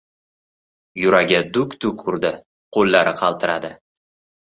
Yuragi duk-duk urdi. Qo‘llari qaltiradi.